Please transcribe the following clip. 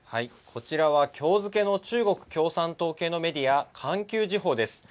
こちらは今日付けの中国共産党系のメディア環球時報です。